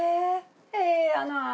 ええやない。